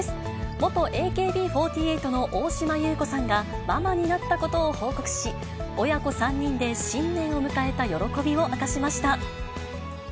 元ＡＫＢ４８の大島優子さんが、ママになったことを報告し、親子３人で新年を迎えた喜びを明かしました。